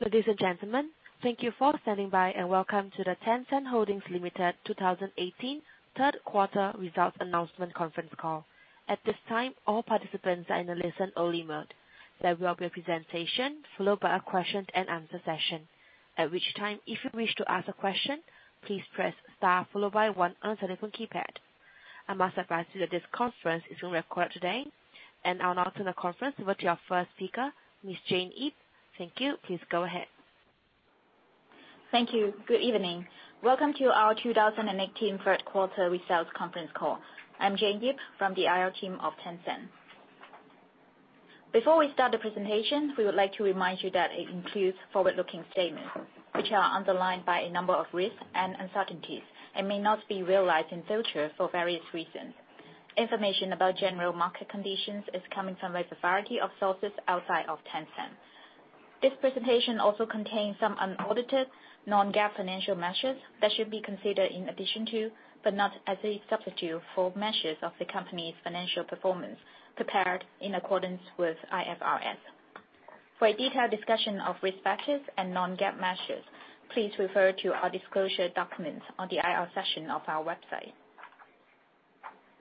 Ladies and gentlemen, thank you for standing by, and welcome to the Tencent Holdings Limited 2018 third quarter results announcement conference call. At this time, all participants are in a listen-only mode. There will be a presentation, followed by a question and answer session. At which time, if you wish to ask a question, please press star followed by one on the telephone keypad. I must advise you that this conference is being recorded today. I will now turn the conference over to our first speaker, Ms. Jane Yip. Thank you. Please go ahead. Thank you. Good evening. Welcome to our 2018 third quarter results conference call. I am Jane Yip from the IR team of Tencent. Before we start the presentation, we would like to remind you that it includes forward-looking statements, which are underlined by a number of risks and uncertainties and may not be realized in future for various reasons. Information about general market conditions is coming from a variety of sources outside of Tencent. This presentation also contains some unaudited, non-GAAP financial measures that should be considered in addition to, but not as a substitute for, measures of the company's financial performance prepared in accordance with IFRS. For a detailed discussion of risk factors and non-GAAP measures, please refer to our disclosure documents on the IR section of our website.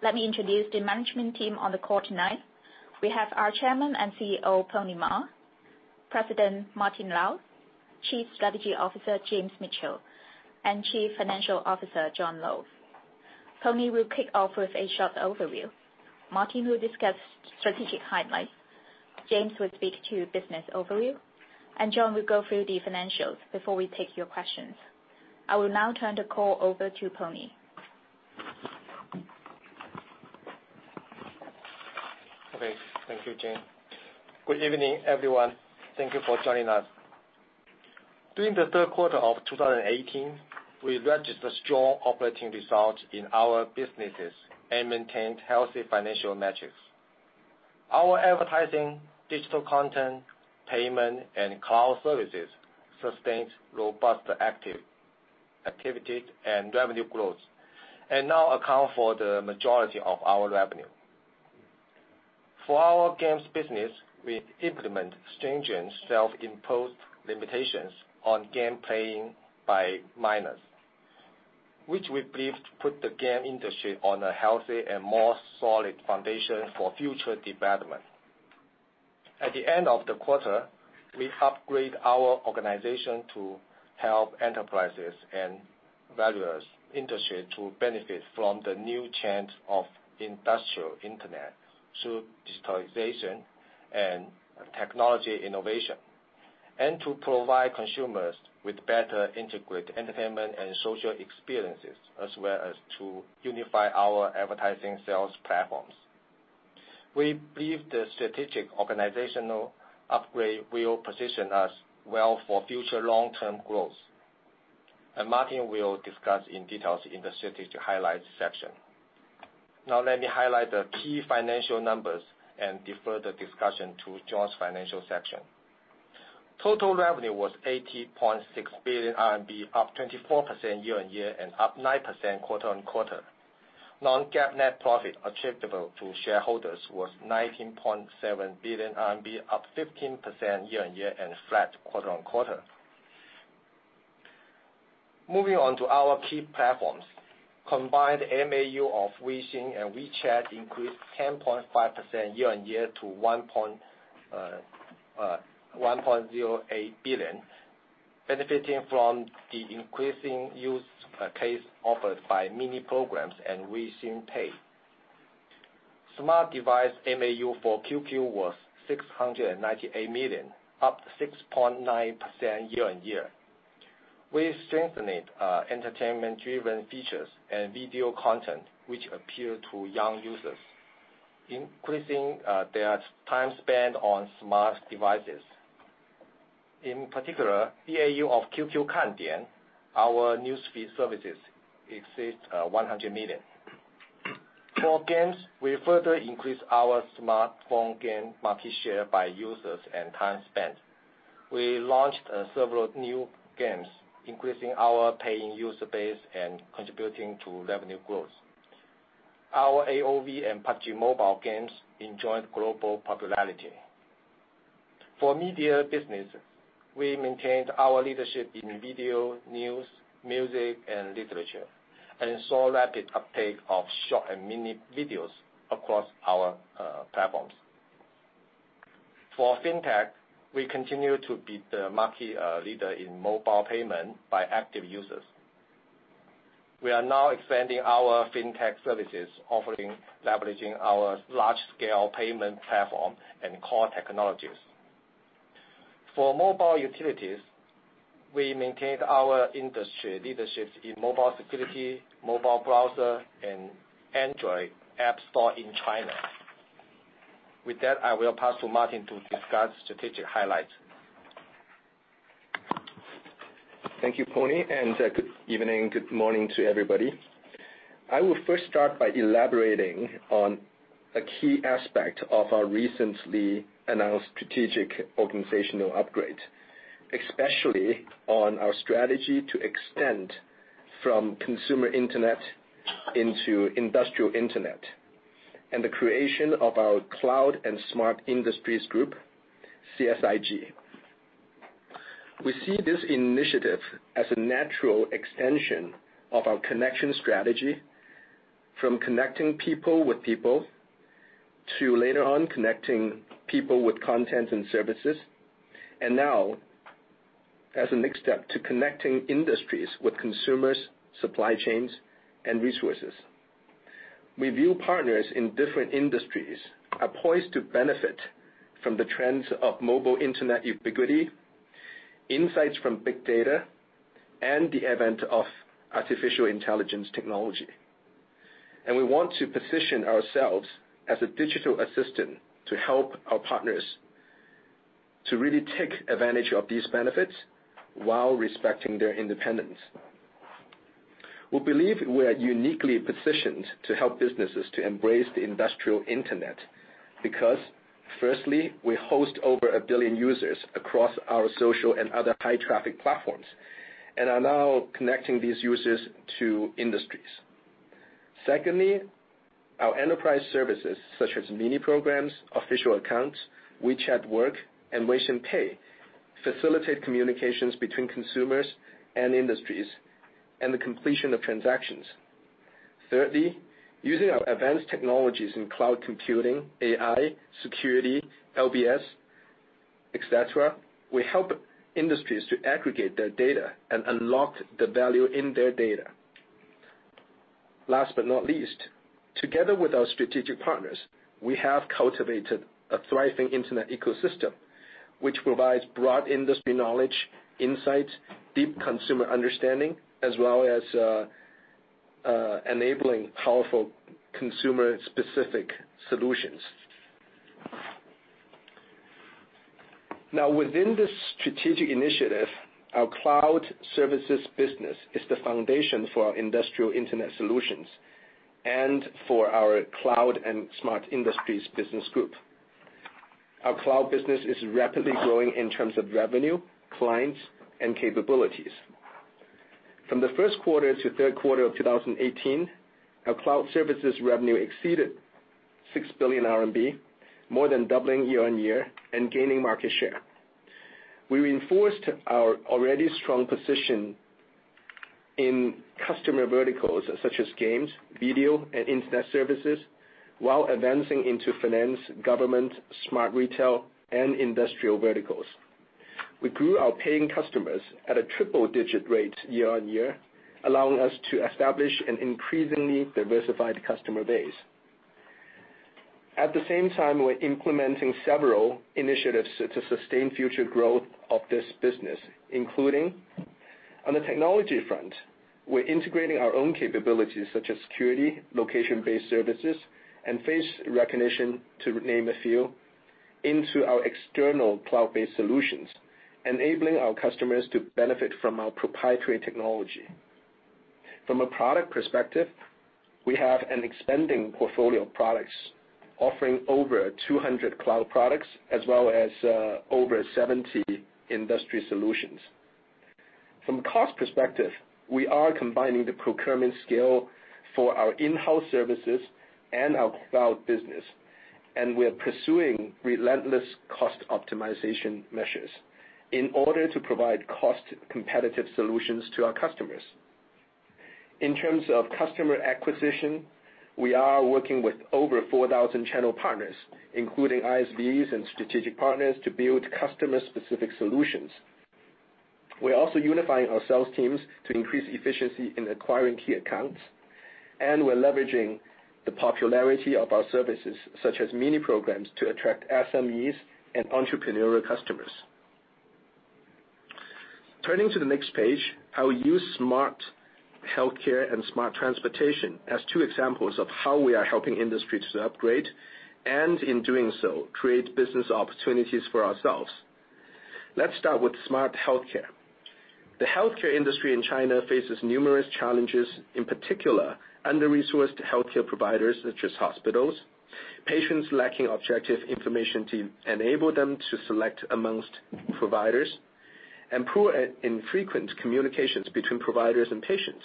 Let me introduce the management team on the call tonight. We have our Chairman and Chief Executive Officer, Pony Ma, President Martin Lau, Chief Strategy Officer James Mitchell, and Chief Financial Officer John Lo. Pony will kick off with a short overview. Martin will discuss strategic highlights. James will speak to business overview, and John will go through the financials before we take your questions. I will now turn the call over to Pony. Okay. Thank you, Jane. Good evening, everyone. Thank you for joining us. During the third quarter of 2018, we registered strong operating results in our businesses and maintained healthy financial measures. Our advertising, digital content, payment, and cloud services sustained robust activity and revenue growth and now account for the majority of our revenue. For our games business, we implement stringent self-imposed limitations on game playing by minors, which we believe put the game industry on a healthy and more solid foundation for future development. At the end of the quarter, we upgrade our organization to help enterprises and various industry to benefit from the new chance of industrial internet through digitalization and technology innovation. To provide consumers with better integrated entertainment and social experiences, as well as to unify our advertising sales platforms. We believe the strategic organizational upgrade will position us well for future long-term growth. Martin will discuss in details in the strategic highlights section. Let me highlight the key financial numbers and defer the discussion to John's financial section. Total revenue was 80.6 billion RMB, up 24% year-on-year and up 9% quarter-on-quarter. Non-GAAP net profit attributable to shareholders was 19.7 billion RMB, up 15% year-on-year and flat quarter-on-quarter. Moving on to our key platforms. Combined MAU of Weixin and WeChat increased 10.5% year-on-year to 1.08 billion, benefiting from the increasing use case offered by Mini Programs and Weixin Pay. Smart device MAU for QQ was 698 million, up 6.9% year-on-year. We strengthened entertainment-driven features and video content, which appeal to young users, increasing their time spent on smart devices. In particular, DAU of QQ Kandian, our news feed services, exceeds 100 million. For games, we further increased our smartphone game market share by users and time spent. We launched several new games, increasing our paying user base and contributing to revenue growth. Our AOV and PUBG MOBILE games enjoyed global popularity. For media business, we maintained our leadership in video, news, music, and literature, and saw rapid uptake of short and mini videos across our platforms. For fintech, we continue to be the market leader in mobile payment by active users. We are now expanding our fintech services offering, leveraging our large-scale payment platform and core technologies. For mobile utilities, we maintained our industry leadership in mobile security, mobile browser, and Android app store in China. With that, I will pass to Martin to discuss strategic highlights. Thank you, Pony, and good evening, good morning to everybody. I will first start by elaborating on a key aspect of our recently announced strategic organizational upgrade, especially on our strategy to extend from consumer internet into industrial internet. The creation of our Cloud and Smart Industries Group, CSIG. We see this initiative as a natural extension of our connection strategy from connecting people with people, to later on connecting people with content and services, and now as a next step to connecting industries with consumers, supply chains and resources. We view partners in different industries are poised to benefit from the trends of mobile internet ubiquity, insights from big data, and the advent of artificial intelligence technology. We want to position ourselves as a digital assistant to help our partners to really take advantage of these benefits while respecting their independence. We believe we are uniquely positioned to help businesses to embrace the industrial internet because firstly, we host over a billion users across our social and other high-traffic platforms, and are now connecting these users to industries. Secondly, our enterprise services such as Mini Programs, Official Accounts, WeChat Work, and Weixin Pay, facilitate communications between consumers and industries, and the completion of transactions. Thirdly, using our advanced technologies in cloud computing, AI, security, LBS, et cetera, we help industries to aggregate their data and unlock the value in their data. Last but not least, together with our strategic partners, we have cultivated a thriving internet ecosystem, which provides broad industry knowledge, insights, deep consumer understanding, as well as enabling powerful consumer-specific solutions. Within this strategic initiative, our cloud services business is the foundation for our industrial internet solutions and for our Cloud and Smart Industries Business Group. Our cloud business is rapidly growing in terms of revenue, clients, and capabilities. From the first quarter to third quarter of 2018, our cloud services revenue exceeded 6 billion RMB, more than doubling year-on-year and gaining market share. We reinforced our already strong position in customer verticals such as games, video, and internet services while advancing into finance, government, smart retail, and industrial verticals. We grew our paying customers at a triple digit rate year-on-year, allowing us to establish an increasingly diversified customer base. At the same time, we're implementing several initiatives to sustain future growth of this business, including on the technology front, we're integrating our own capabilities such as security, location-based services, and face recognition, to name a few, into our external cloud-based solutions, enabling our customers to benefit from our proprietary technology. From a product perspective, we have an expanding portfolio of products offering over 200 cloud products as well as over 70 industry solutions. From cost perspective, we are combining the procurement scale for our in-house services and our cloud business. We're pursuing relentless cost optimization measures in order to provide cost-competitive solutions to our customers. In terms of customer acquisition, we are working with over 4,000 channel partners, including ISVs and strategic partners, to build customer-specific solutions. We're also unifying our sales teams to increase efficiency in acquiring key accounts. We're leveraging the popularity of our services, such as Mini Programs, to attract SMEs and entrepreneurial customers. Turning to the next page, I will use smart healthcare and smart transportation as two examples of how we are helping industries to upgrade, and in doing so, create business opportunities for ourselves. Let's start with smart healthcare. The healthcare industry in China faces numerous challenges, in particular, under-resourced healthcare providers such as hospitals, patients lacking objective information to enable them to select amongst providers, and poor and infrequent communications between providers and patients.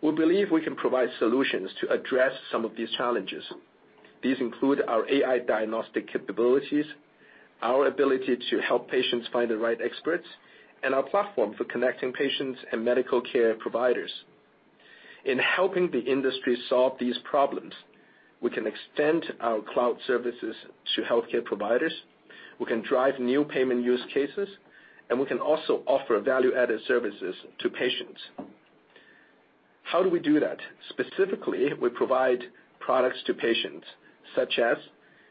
We believe we can provide solutions to address some of these challenges. These include our AI diagnostic capabilities, our ability to help patients find the right experts, and our platform for connecting patients and medical care providers. In helping the industry solve these problems, we can extend our cloud services to healthcare providers, we can drive new payment use cases, and we can also offer value-added services to patients. How do we do that? Specifically, we provide products to patients, such as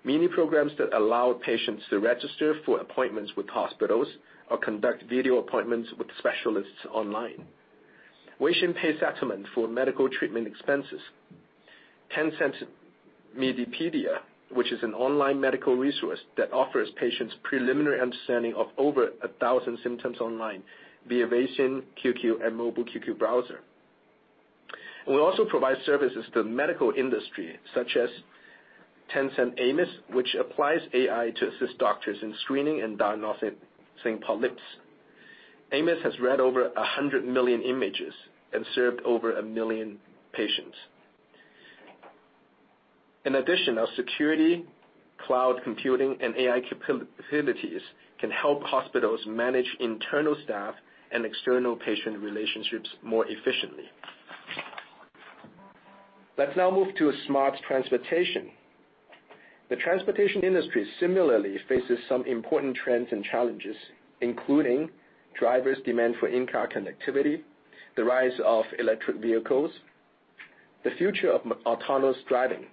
Mini Programs that allow patients to register for appointments with hospitals or conduct video appointments with specialists online. Weixin Pay settlement for medical treatment expenses. Tencent Medipedia, which is an online medical resource that offers patients preliminary understanding of over 1,000 symptoms online via Weixin, QQ, and mobile QQ browser. We also provide services to the medical industry, such as Tencent AIMIS, which applies AI to assist doctors in screening and diagnosing polyps. AIMIS has read over 100 million images and served over 1 million patients. In addition, our security, cloud computing, and AI capabilities can help hospitals manage internal staff and external patient relationships more efficiently. Let's now move to smart transportation. The transportation industry similarly faces some important trends and challenges, including drivers' demand for in-car connectivity, the rise of electric vehicles, the future of autonomous driving,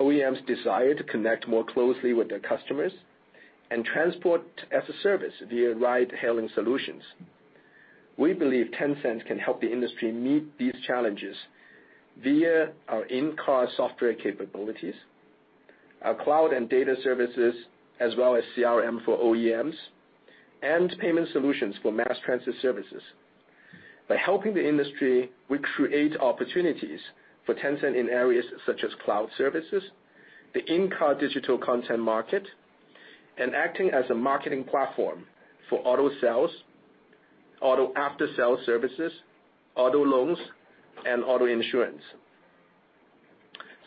OEMs' desire to connect more closely with their customers, and transport as a service via ride-hailing solutions. We believe Tencent can help the industry meet these challenges via our in-car software capabilities, our cloud and data services, as well as CRM for OEMs, and payment solutions for mass transit services. By helping the industry, we create opportunities for Tencent in areas such as cloud services, the in-car digital content market, and acting as a marketing platform for auto sales, auto after-sales services, auto loans, and auto insurance.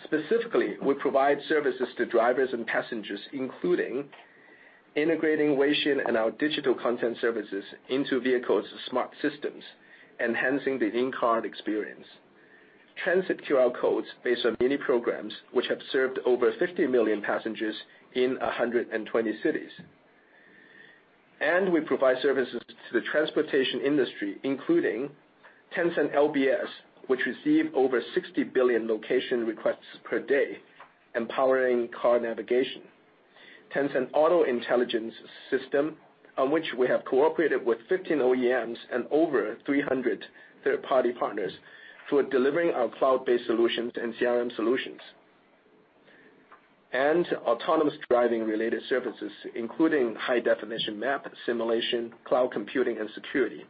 Specifically, we provide services to drivers and passengers, including integrating Weixin and our digital content services into vehicles' smart systems, enhancing the in-car experience. Transit QR codes based on Mini Programs, which have served over 50 million passengers in 120 cities. We provide services to the transportation industry, including Tencent LBS, which receive over 60 billion location requests per day, empowering car navigation. Tencent Auto Intelligence System, on which we have cooperated with 15 OEMs and over 300 third-party partners for delivering our cloud-based solutions and CRM solutions. Autonomous driving-related services, including high-definition map simulation, cloud computing, and security.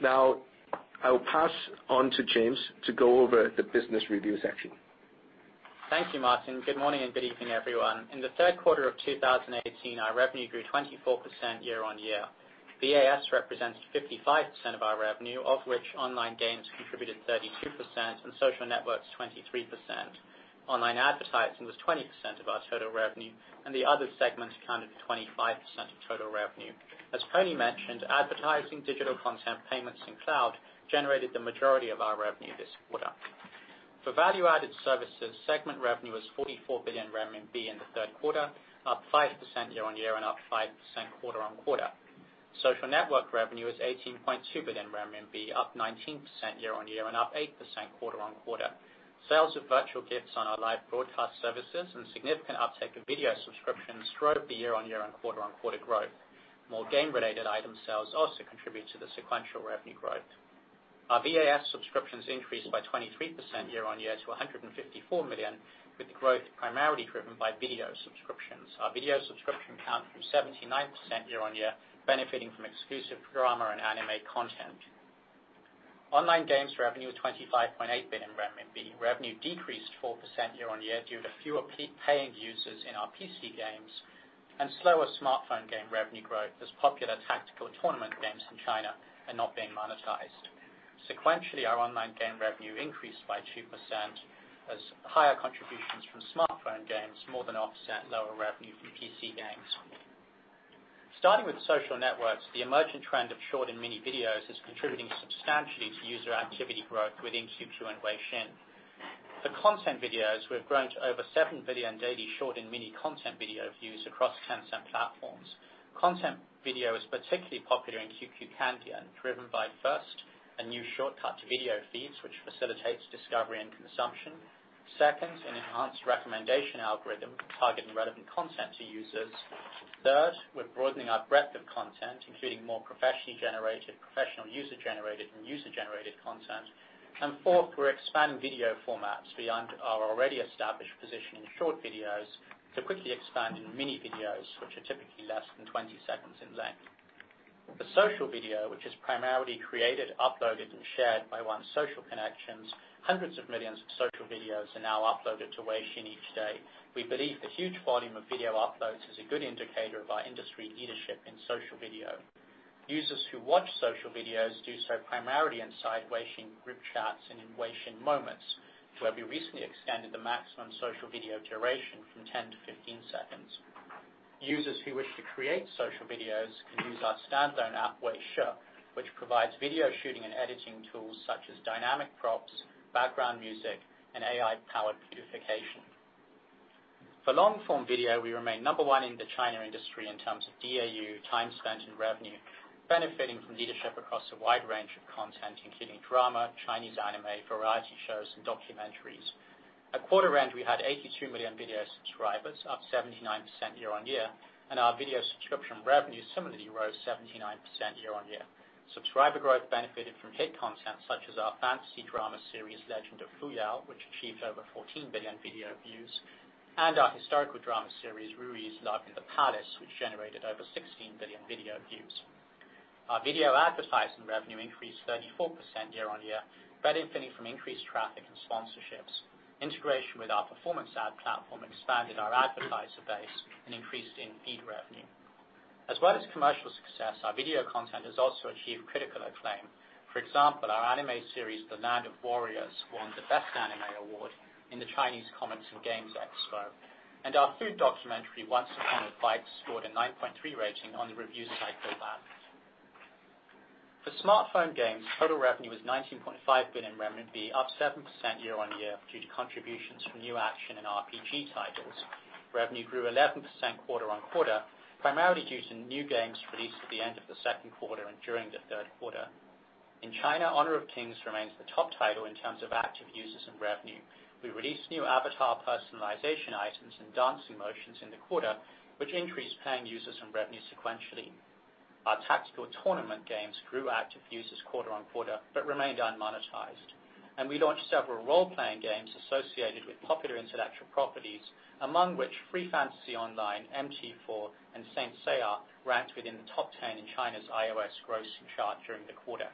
Now, I will pass on to James to go over the business review section. Thank you, Martin. Good morning and good evening, everyone. In the third quarter of 2018, our revenue grew 24% year-on-year. VAS represents 55% of our revenue, of which online games contributed 32% and social networks 23%. Online advertising was 20% of our total revenue, and the other segments accounted for 25% of total revenue. As Pony mentioned, advertising, digital content, payments, and cloud generated the majority of our revenue this quarter. For value-added services, segment revenue was 44 billion RMB in the third quarter, up 5% year-on-year and up 5% quarter-on-quarter. Social network revenue is 18.2 billion RMB, up 19% year-on-year and up 8% quarter-on-quarter. Sales of virtual gifts on our live broadcast services and significant uptake of video subscriptions drove the year-on-year and quarter-on-quarter growth. More game-related item sales also contribute to the sequential revenue growth. Our VAS subscriptions increased by 23% year-on-year to 154 million, with growth primarily driven by video subscriptions. Our video subscription count grew 79% year-on-year, benefiting from exclusive drama and anime content. Online games revenue was 25.8 billion renminbi. Revenue decreased 4% year-on-year due to fewer paying users in our PC games and slower smartphone game revenue growth, as popular tactical tournament games in China are not being monetized. Sequentially, our online game revenue increased by 2% as higher contributions from smartphone games more than offset lower revenue from PC games. Starting with social networks, the emerging trend of short and Mini Videos is contributing substantially to user activity growth within QQ and Weixin. For content videos, we have grown to over 7 billion daily short and Mini Content Video views across Tencent platforms. Content video is particularly popular in QQ Kandian and driven by, first, a new shortcut to video feeds, which facilitates discovery and consumption. Second, an enhanced recommendation algorithm targeting relevant content to users. Third, we're broadening our breadth of content, including more professionally generated, professional user-generated, and user-generated content. Fourth, we're expanding video formats beyond our already established position in short videos to quickly expand in mini videos, which are typically less than 20 seconds in length. For social video, which is primarily created, uploaded, and shared by one's social connections, hundreds of millions of social videos are now uploaded to Weixin each day. We believe the huge volume of video uploads is a good indicator of our industry leadership in social video. Users who watch social videos do so primarily inside Weixin group chats and in Weixin Moments, where we recently extended the maximum social video duration from 10 to 15 seconds. Users who wish to create social videos can use our standalone app, Weishi, which provides video shooting and editing tools such as dynamic props, background music, and AI-powered beautification. For long-form video, we remain number one in the China industry in terms of DAU, time spent, and revenue, benefiting from leadership across a wide range of content, including drama, Chinese anime, variety shows, and documentaries. At quarter end, we had 82 million video subscribers, up 79% year-on-year, and our video subscription revenue similarly rose 79% year-on-year. Subscriber growth benefited from hit content such as our fantasy drama series, "Legend of Fu Yao," which achieved over 14 billion video views, and our historical drama series, "Ruyi's Love in the Palace," which generated over 16 billion video views. Our video advertising revenue increased 34% year-on-year, benefiting from increased traffic and sponsorships. Integration with our performance ad platform expanded our advertiser base and increased in feed revenue. As well as commercial success, our video content has also achieved critical acclaim. For example, our anime series, "The Land of Warriors," won the best anime award in the Chinese Comics and Games Expo. Our food documentary, "Once Upon a Bite," scored a 9.3 rating on the review site Douban. For smartphone games, total revenue was 19.5 billion RMB, up 7% year-on-year, due to contributions from new action and RPG titles. Revenue grew 11% quarter-on-quarter, primarily due to new games released at the end of the second quarter and during the third quarter. In China, "Honor of Kings" remains the top title in terms of active users and revenue. We released new avatar personalization items and dancing motions in the quarter, which increased paying users and revenue sequentially. Our tactical tournament games grew active users quarter-on-quarter but remained unmonetized. We launched several role-playing games associated with popular intellectual properties, among which "Free Fantasy Online," "MT4," and "Saint Seiya" ranked within the top 10 in China's iOS grossing chart during the quarter.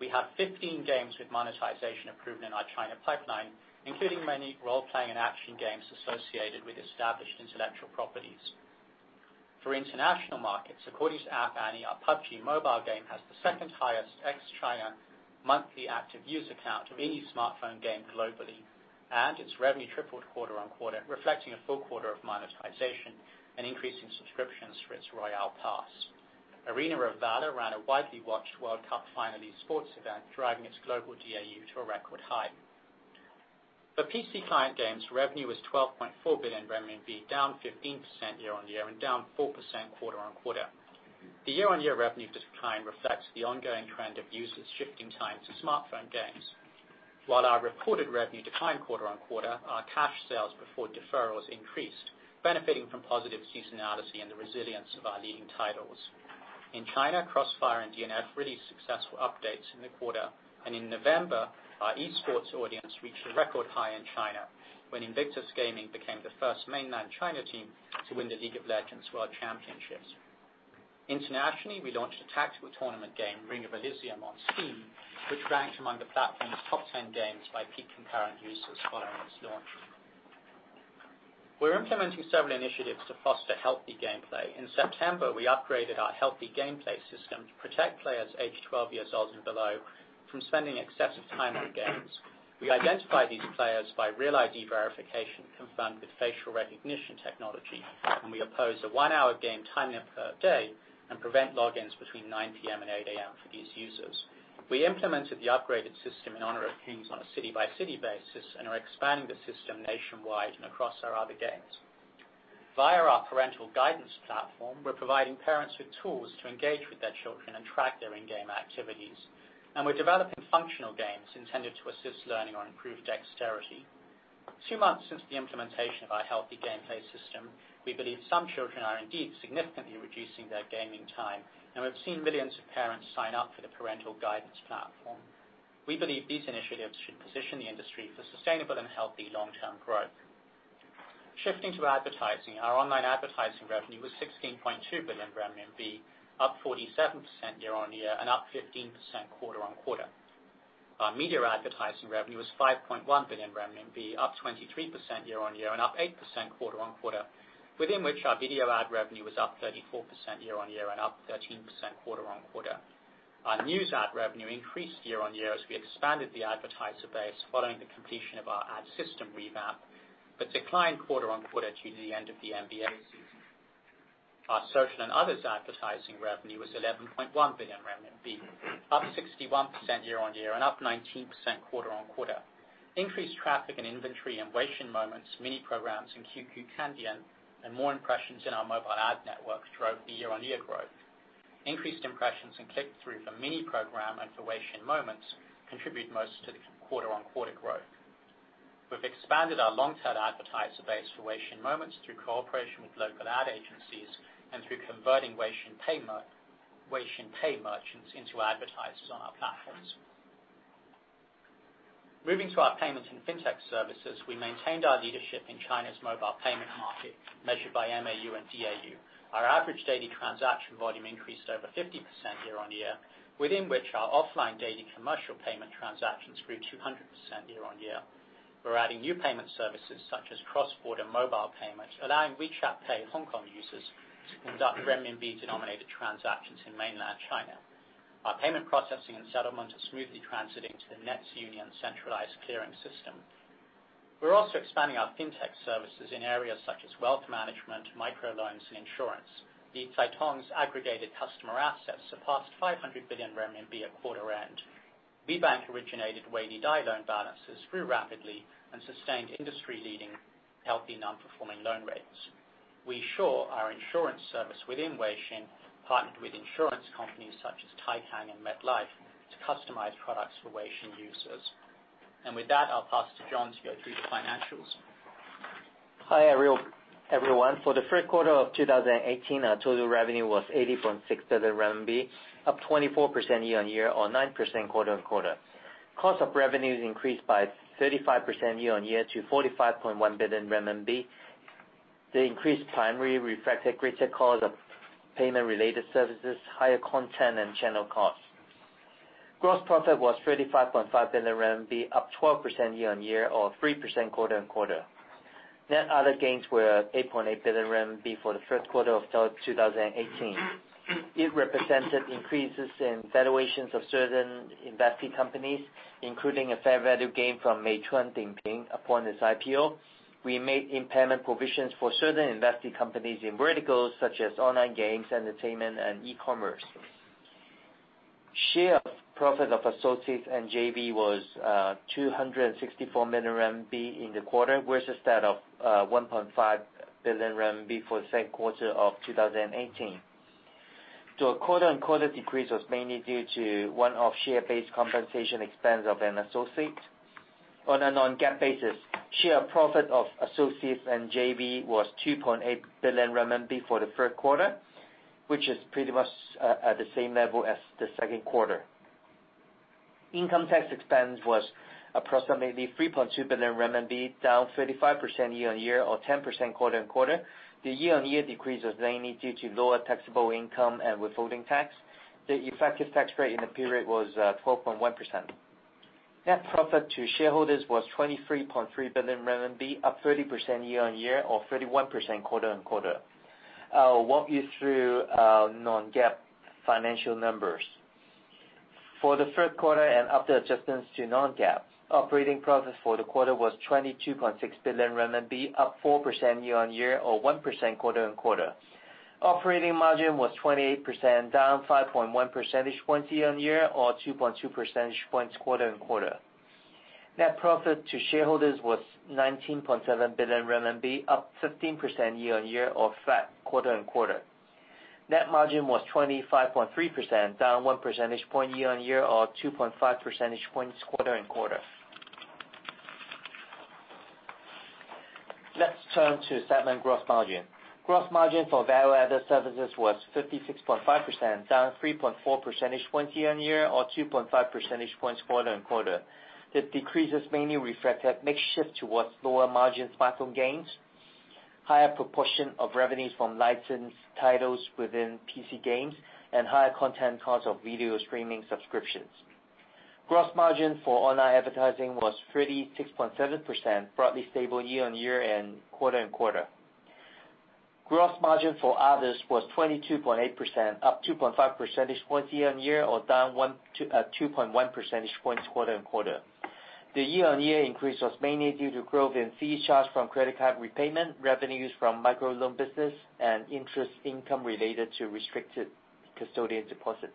We have 15 games with monetization approved in our China pipeline, including many role-playing and action games associated with established intellectual properties. For international markets, according to App Annie, our "PUBG MOBILE" game has the second highest ex-China monthly active user count of any smartphone game globally, and its revenue tripled quarter-on-quarter, reflecting a full quarter of monetization and increasing subscriptions for its Royale Pass. "Arena of Valor" ran a widely watched World Cup finale esports event, driving its global DAU to a record high. For PC client games, revenue was RMB 12.4 billion, down 15% year-on-year and down 4% quarter-on-quarter. The year-on-year revenue decline reflects the ongoing trend of users shifting time to smartphone games. While our reported revenue declined quarter-on-quarter, our cash sales before deferrals increased, benefiting from positive seasonality and the resilience of our leading titles. In China, "CrossFire" and "DNF" released successful updates in the quarter. In November, our esports audience reached a record high in China when Invictus Gaming became the first Mainland China team to win the "League of Legends" World Championships. Internationally, we launched a tactical tournament game, "Ring of Elysium" on Steam, which ranked among the platform's top 10 games by peak concurrent users following its launch. We are implementing several initiatives to foster healthy gameplay. In September, we upgraded our healthy gameplay system to protect players aged 12 years old and below from spending excessive time on games. We identify these players by Real ID verification confirmed with facial recognition technology, and we oppose a one-hour game timing up per day and prevent logins between 9:00 P.M. and 8:00 A.M. for these users. We implemented the upgraded system in "Honor of Kings" on a city-by-city basis and are expanding the system nationwide and across our other games. Via our parental guidance platform, we are providing parents with tools to engage with their children and track their in-game activities, and we are developing functional games intended to assist learning or improve dexterity. Two months since the implementation of our healthy gameplay system, we believe some children are indeed significantly reducing their gaming time, and we have seen millions of parents sign up for the parental guidance platform. We believe these initiatives should position the industry for sustainable and healthy long-term growth. Shifting to advertising, our online advertising revenue was 16.2 billion RMB, up 47% year-on-year and up 15% quarter-on-quarter. Our media advertising revenue was 5.1 billion renminbi, up 23% year-on-year and up 8% quarter-on-quarter, within which our video ad revenue was up 34% year-on-year and up 13% quarter-on-quarter. Our news ad revenue increased year-on-year as we expanded the advertiser base following the completion of our ad system revamp, declined quarter-on-quarter due to the end of the NBA season. Our social and others advertising revenue was 11.1 billion RMB, up 61% year-on-year and up 19% quarter-on-quarter. Increased traffic and inventory in Weixin Moments, Mini Programs, and QQ Kandian, and more impressions in our mobile ad network drove the year-on-year growth. Increased impressions and click-through for Mini Program and for Weixin Moments contribute most to the quarter-on-quarter growth. We have expanded our long-tail advertiser base for Weixin Moments through cooperation with local ad agencies and through converting Weixin Pay merchants into advertisers on our platforms. Moving to our payments and fintech services, we maintained our leadership in China's mobile payment market, measured by MAU and DAU. Our average daily transaction volume increased over 50% year-on-year, within which our offline daily commercial payment transactions grew 200% year-on-year. We are adding new payment services such as cross-border mobile payments, allowing WeChat Pay HK users to conduct RMB-denominated transactions in Mainland China. Our payment processing and settlement are smoothly transiting to the NetsUnion centralized clearing system. We are also expanding our fintech services in areas such as wealth management, microloans, and insurance. LiCaiTong's aggregated customer assets surpassed 500 billion RMB at quarter end. WeBank originated Weilidai loan balances grew rapidly and sustained industry-leading healthy non-performing loan rates. WeSure, our insurance service within Weixin, partnered with insurance companies such as Taikang and MetLife to customize products for Weixin users. With that, I will pass to John to go through the financials. Hi, everyone. For the third quarter of 2018, our total revenue was 80.6 billion RMB, up 24% year-on-year or 9% quarter-on-quarter. Cost of revenues increased by 35% year-on-year to 45.1 billion RMB. The increased primary reflected greater cost of payment-related services, higher content and channel costs. Gross profit was 35.5 billion RMB, up 12% year-on-year or 3% quarter-on-quarter. Net other gains were 8.8 billion RMB for the third quarter of 2018. It represented increases in valuations of certain investee companies, including a fair value gain from Meituan-Dianping upon its IPO. We made impairment provisions for certain investee companies in verticals such as online games, entertainment, and e-commerce. Share of profit of associates and JV was 264 million RMB in the quarter versus that of 1.5 billion RMB for the same quarter of 2018. A quarter-on-quarter decrease was mainly due to one-off share-based compensation expense of an associate. On a non-GAAP basis, share profit of associates and JV was 2.8 billion RMB for the third quarter, which is pretty much at the same level as the second quarter. Income tax expense was approximately 3.2 billion RMB, down 35% year-on-year or 10% quarter-on-quarter. The year-on-year decrease was mainly due to lower taxable income and withholding tax. The effective tax rate in the period was 12.1%. Net profit to shareholders was 23.3 billion RMB, up 30% year-on-year or 31% quarter-on-quarter. I will walk you through our non-GAAP financial numbers. For the third quarter and after adjustments to non-GAAP, operating profit for the quarter was 22.6 billion RMB, up 4% year-on-year or 1% quarter-on-quarter. Operating margin was 28%, down 5.1 percentage points year-on-year or 2.2 percentage points quarter-on-quarter. Net profit to shareholders was 19.7 billion RMB, up 15% year-on-year or flat quarter-on-quarter. Net margin was 25.3%, down one percentage point year-on-year or 2.5 percentage points quarter-on-quarter. Let's turn to segment gross margin. Gross margin for value-added services was 56.5%, down 3.4 percentage points year-on-year or 2.5 percentage points quarter-on-quarter. This decrease is mainly reflected mix shift towards lower margin smartphone games, higher proportion of revenues from licensed titles within PC games, and higher content cost of video streaming subscriptions. Gross margin for online advertising was 36.7%, broadly stable year-on-year and quarter-on-quarter. Gross margin for others was 22.8%, up 2.5 percentage points year-on-year or down 2.1 percentage points quarter-on-quarter. The year-on-year increase was mainly due to growth in fee charge from credit card repayment, revenues from microloan business, and interest income related to restricted custodian deposits.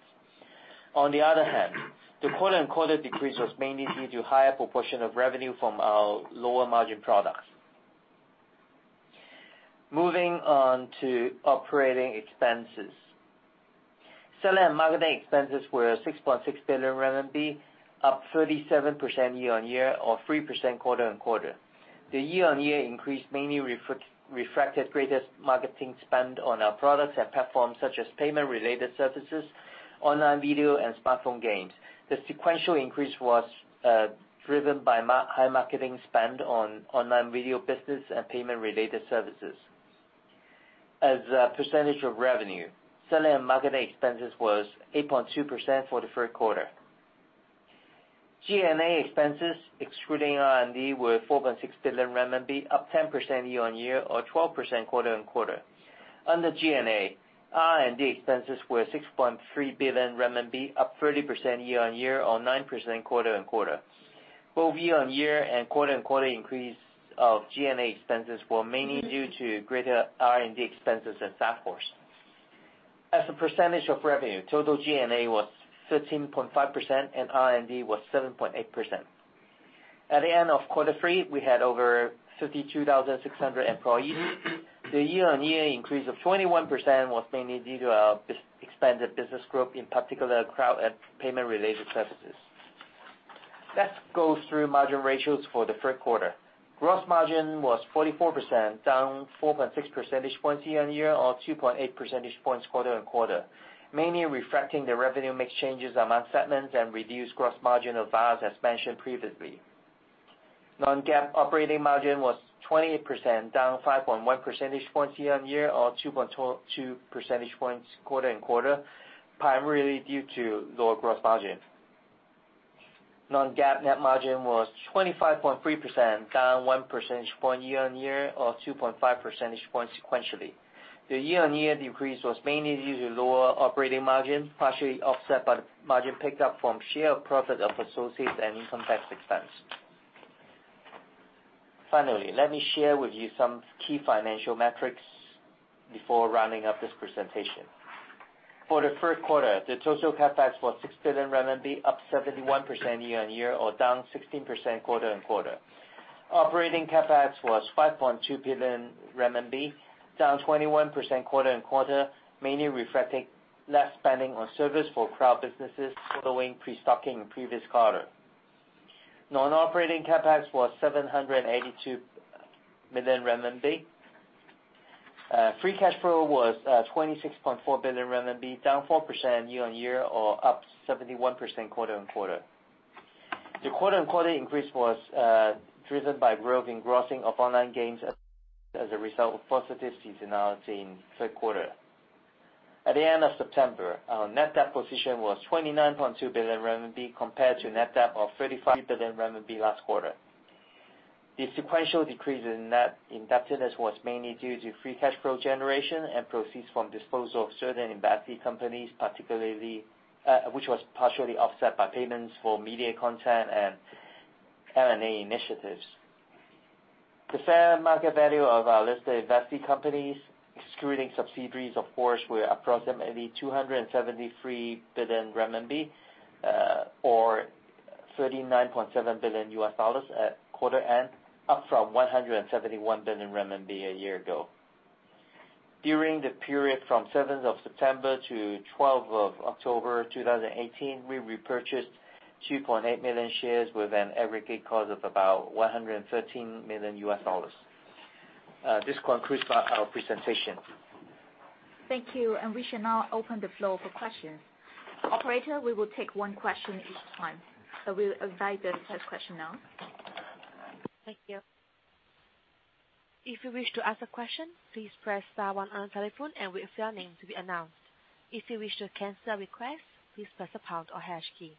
On the other hand, the quarter-on-quarter decrease was mainly due to higher proportion of revenue from our lower margin products. Moving on to operating expenses. Selling and marketing expenses were 6.6 billion RMB, up 37% year-on-year or 3% quarter-on-quarter. The year-on-year increase mainly reflected greater marketing spend on our products and platforms such as payment-related services, online video, and smartphone games. The sequential increase was driven by high marketing spend on online video business and payment-related services. As a percentage of revenue, selling and marketing expenses was 8.2% for the third quarter. G&A expenses, excluding R&D, were 4.6 billion RMB, up 10% year-on-year or 12% quarter-on-quarter. Under G&A, R&D expenses were 6.3 billion RMB, up 30% year-on-year or 9% quarter-on-quarter. Both year-on-year and quarter-on-quarter increase of G&A expenses were mainly due to greater R&D expenses and staff costs. As a percentage of revenue, total G&A was 13.5% and R&D was 7.8%. At the end of quarter three, we had over 52,600 employees. The year-on-year increase of 21% was mainly due to our expanded business group, in particular, cloud and payment-related services. Let's go through margin ratios for the third quarter. Gross margin was 44%, down 4.6 percentage points year-on-year or 2.8 percentage points quarter-on-quarter, mainly reflecting the revenue mix changes among segments and reduced gross margin of VAS as mentioned previously. Non-GAAP operating margin was 28%, down 5.1 percentage points year-on-year or 2.2 percentage points quarter-on-quarter, primarily due to lower gross margin. Non-GAAP net margin was 25.3%, down one percentage point year-on-year or 2.5 percentage points sequentially. The year-on-year decrease was mainly due to lower operating margin, partially offset by the margin picked up from share of profit of associates and income tax expense. Finally, let me share with you some key financial metrics before rounding up this presentation. For the third quarter, the total CapEx was 6 billion RMB, up 71% year-on-year or down 16% quarter-on-quarter. Operating CapEx was 5.2 billion renminbi, down 21% quarter-on-quarter, mainly reflecting less spending on service for cloud businesses following pre-stocking in previous quarter. Non-operating CapEx was 782 million RMB. Free cash flow was 26.4 billion RMB, down 4% year-on-year or up 71% quarter-on-quarter. The quarter-on-quarter increase was driven by growth in grossing of online games as a result of positive seasonality in third quarter. At the end of September, our net debt position was 29.2 billion RMB compared to net debt of 35 billion RMB last quarter. The sequential decrease in net indebtedness was mainly due to free cash flow generation and proceeds from disposal of certain investee companies, which was partially offset by payments for media content and M&A initiatives. The fair market value of our listed investee companies, excluding subsidiaries, of course, were approximately 273 billion renminbi, or $39.7 billion at quarter end, up from 171 billion RMB a year ago. During the period from 7th of September to 12th of October 2018, we repurchased 2.8 million shares with an aggregate cost of about $113 million. This concludes our presentation. Thank you. We shall now open the floor for questions. Operator, we will take one question each time. We'll invite the first question now. Thank you. If you wish to ask a question, please press star one on telephone and wait for your name to be announced. If you wish to cancel a request, please press the pound or hash key.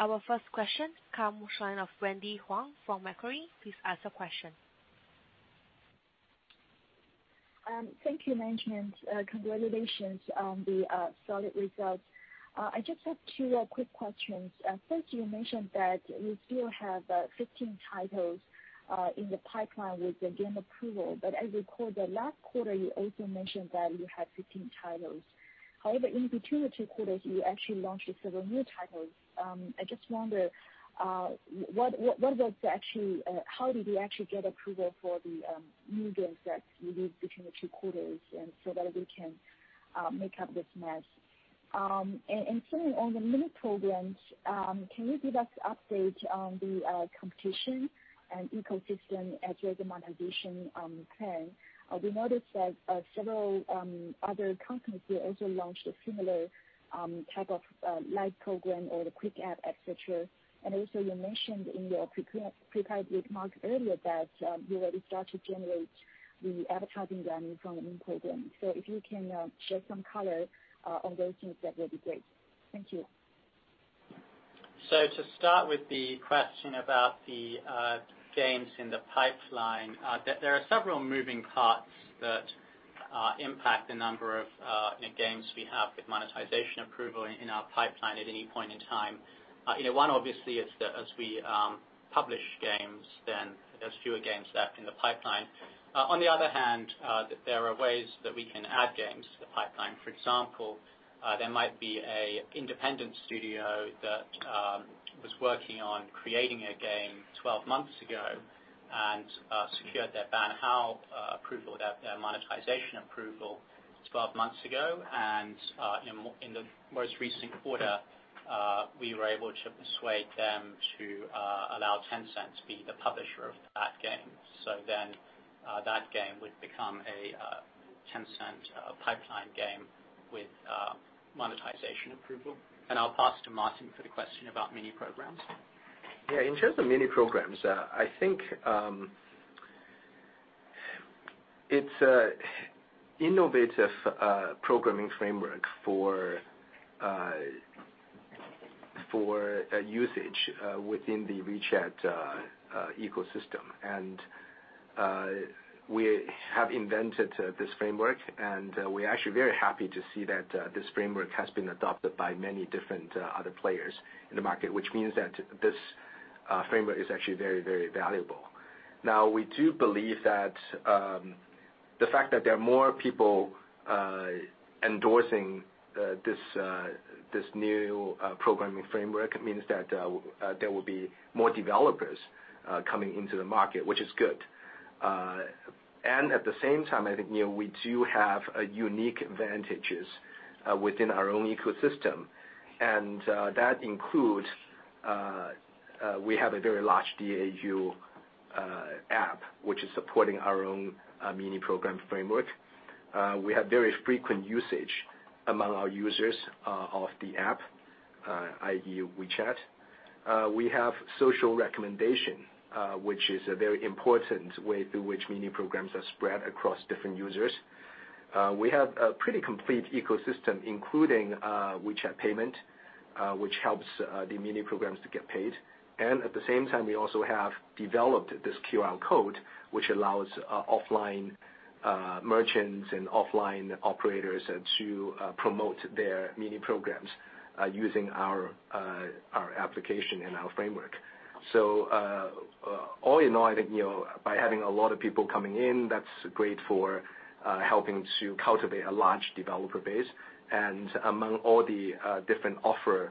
Our first question comes from the line of Wendy Huang from Macquarie. Please ask your question. Thank you, management. Congratulations on the solid results. I just have two quick questions. First, you mentioned that you still have 15 titles in the pipeline with the game approval. I recall that last quarter you also mentioned that you had 15 titles. However, in between the two quarters, you actually launched several new titles. I just wonder how did you actually get approval for the new games that you released between the two quarters that we can make up this math. Second, on the Mini Programs, can you give us update on the competition and ecosystem as your monetization plan? We noticed that several other companies here also launched a similar type of lite program or the quick app, et cetera. Also you mentioned in your prepared remarks earlier that you already start to generate the advertising revenue from the Mini Program. If you can shed some color on those things, that would be great. Thank you. To start with the question about the games in the pipeline, there are several moving parts that impact the number of new games we have with monetization approval in our pipeline at any point in time. One obviously is that as we publish games, there are fewer games left in the pipeline. On the other hand, there are ways that we can add games to the pipeline. For example, there might be an independent studio that was working on creating a game 12 months ago and secured their Ban Hao approval, their monetization approval 12 months ago. In the most recent quarter, we were able to persuade them to allow Tencent to be the publisher of that game. That game would become a Tencent pipeline game with monetization approval. I'll pass to Martin for the question about Mini Programs. In terms of Mini Programs, I think it's innovative programming framework for usage within the WeChat ecosystem. We have invented this framework, and we're actually very happy to see that this framework has been adopted by many different other players in the market, which means that this framework is actually very, very valuable. We do believe that the fact that there are more people endorsing this new programming framework, it means that there will be more developers coming into the market, which is good. At the same time, I think we do have a unique advantages within our own ecosystem. That includes, we have a very large DAU app, which is supporting our own Mini Program framework. We have very frequent usage among our users of the app, i.e., WeChat. We have social recommendation, which is a very important way through which Mini Programs are spread across different users. We have a pretty complete ecosystem, including WeChat Payment, which helps the Mini Programs to get paid. At the same time, we also have developed this QR code, which allows offline merchants and offline operators to promote their Mini Programs using our application and our framework. All in all, I think by having a lot of people coming in, that's great for helping to cultivate a large developer base. Among all the different offerers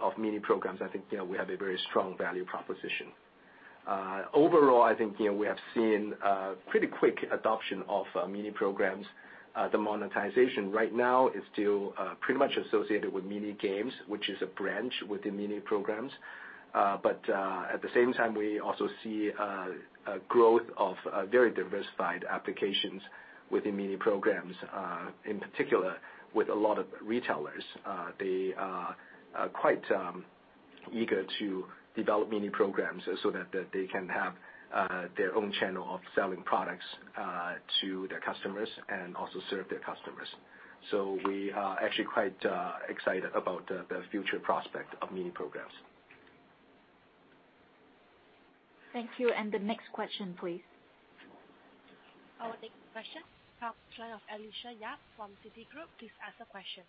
of Mini Programs, I think we have a very strong value proposition. Overall, I think we have seen a pretty quick adoption of Mini Programs. The monetization right now is still pretty much associated with Mini Games, which is a branch within Mini Programs. At the same time, we also see a growth of very diversified applications within Mini Programs, in particular with a lot of retailers. They are quite eager to develop Mini Programs so that they can have their own channel of selling products to their customers, and also serve their customers. We are actually quite excited about the future prospect of Mini Programs. Thank you. The next question please. Our next question from the line of Alicia Yap from Citigroup. Please ask the question.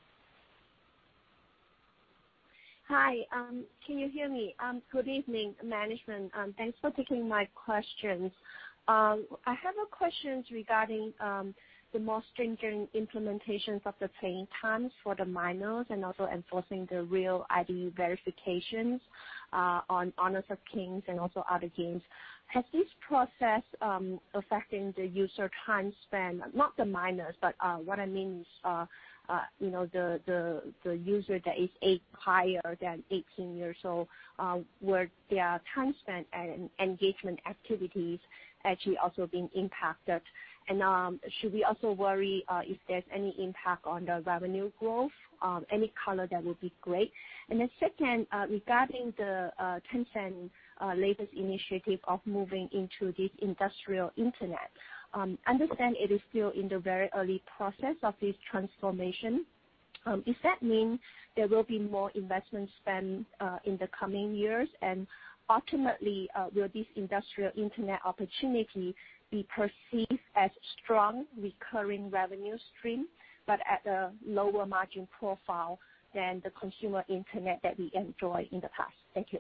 Hi, can you hear me? Good evening, management. Thanks for taking my questions. I have a questions regarding the more stringent implementations of the playing times for the minors, also enforcing the Real ID verifications on Honor of Kings and also other games. Has this process affecting the user time spent, not the minors, but what I mean is the user that is higher than 18 years old, where their time spent and engagement activities actually also being impacted. Should we also worry if there's any impact on the revenue growth? Any color, that would be great. Second, regarding the Tencent latest initiative of moving into this industrial internet. Understand it is still in the very early process of this transformation. Is that mean there will be more investment spend in the coming years? Ultimately, will this industrial internet opportunity be perceived as strong recurring revenue stream, but at a lower margin profile than the consumer internet that we enjoy in the past? Thank you.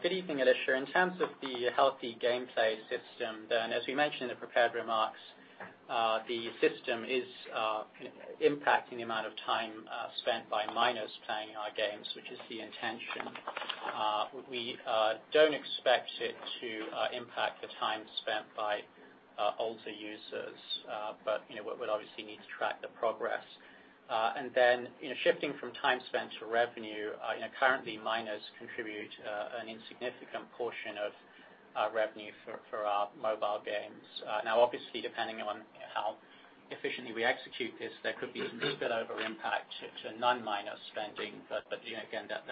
Good evening, Alicia. In terms of the healthy gameplay system, as we mentioned in the prepared remarks, the system is impacting the amount of time spent by minors playing our games, which is the intention. We don't expect it to impact the time spent by older users. We'll obviously need to track the progress. Shifting from time spent to revenue, currently minors contribute an insignificant portion of our revenue for our mobile games. Obviously, depending on how efficiently we execute this, there could be some spillover impact to non-minor spending. Again, that's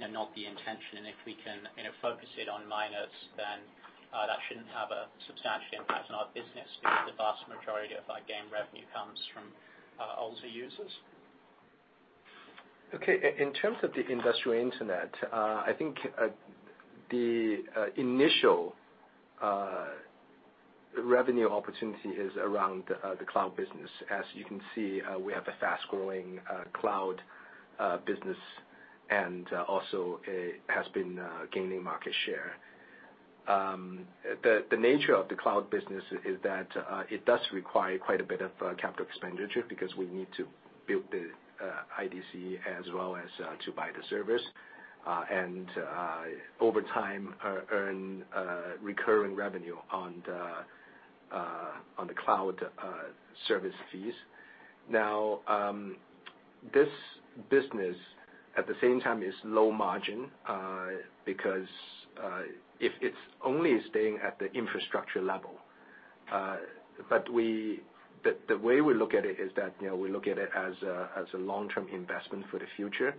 not the intention. If we can focus it on minors, that shouldn't have a substantial impact on our business because the vast majority of our game revenue comes from older users. Okay, in terms of the industrial internet, I think the initial revenue opportunity is around the cloud business. As you can see, we have a fast-growing cloud business, it has been gaining market share. The nature of the cloud business is that it does require quite a bit of capital expenditure because we need to build the IDC as well as to buy the service. Over time, earn recurring revenue on the cloud service fees. This business, at the same time, is low margin, because it's only staying at the infrastructure level. The way we look at it is that, we look at it as a long-term investment for the future.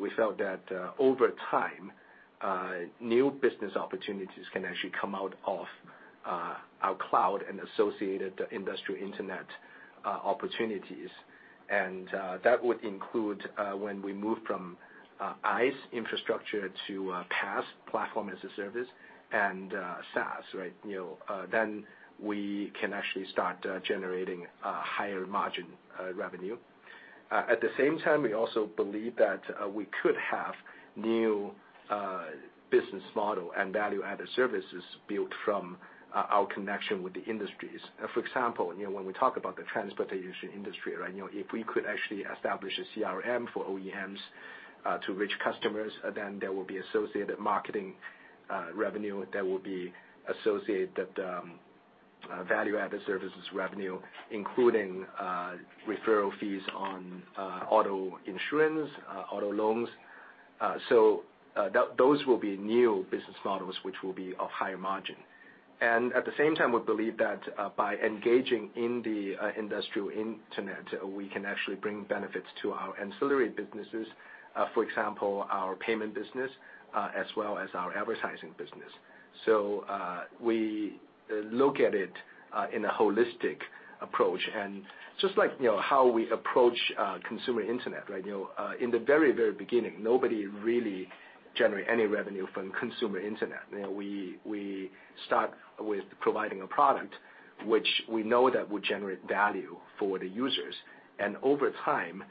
We felt that over time, new business opportunities can actually come out of our cloud and associated industrial internet opportunities. That would include when we move from IaaS, infrastructure, to PaaS, platform as a service, and SaaS. We can actually start generating higher margin revenue. At the same time, we also believe that we could have new business model and value-added services built from our connection with the industries. For example, when we talk about the transportation industry. If we could actually establish a CRM for OEMs to reach customers, there will be associated marketing revenue that will be associated value-added services revenue, including referral fees on auto insurance, auto loans. Those will be new business models which will be of higher margin. At the same time, we believe that by engaging in the industrial internet, we can actually bring benefits to our ancillary businesses, for example, our payment business, as well as our advertising business. We look at it in a holistic approach. Just like how we approach consumer internet. In the very beginning, nobody really generate any revenue from consumer internet. We start with providing a product which we know that will generate value for the users. Over time,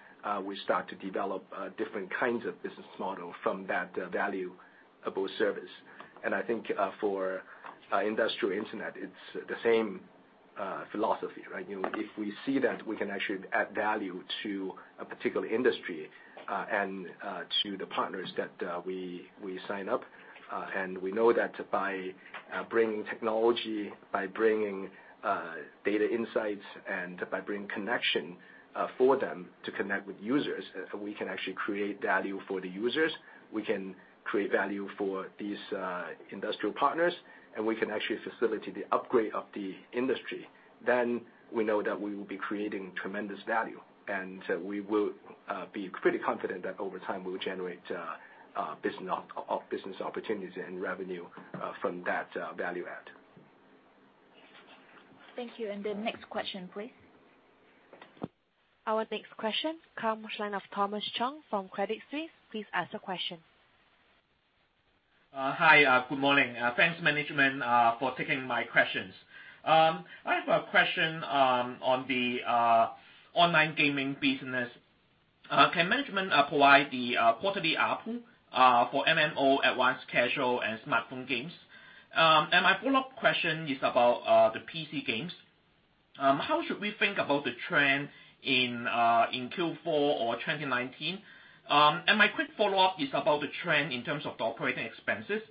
we start to develop different kinds of business model from that value-based service. I think for industrial internet, it's the same philosophy. If we see that we can actually add value to a particular industry, and to the partners that we sign up, and we know that by bringing technology, by bringing data insights, and by bringing connection for them to connect with users, we can actually create value for the users, we can create value for these industrial partners, and we can actually facilitate the upgrade of the industry, then we know that we will be creating tremendous value. We will be pretty confident that over time, we will generate business opportunities and revenue from that value add Thank you. The next question, please. Our next question comes line of Thomas Chong from Credit Suisse. Please ask your question. Hi, good morning. Thanks, management, for taking my questions. I have a question on the online gaming business. Can management provide the quarterly ARPU for MMO, advanced casual and smartphone games? My follow-up question is about the PC games. How should we think about the trend in Q4 or 2019? My quick follow-up is about the trend in terms of the operating expenses.